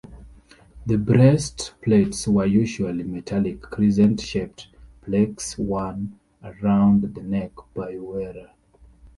The breastplates were usually metallic crescent-shaped plaques worn around the neck by wearer.